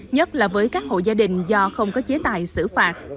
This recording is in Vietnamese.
nhất là với các hộ gia đình do không có chế tài xử phạt